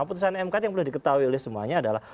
putusan mk ini yang perlu diketahui oleh semuanya adalah